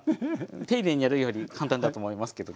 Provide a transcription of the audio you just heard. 丁寧にやるより簡単だと思いますけど。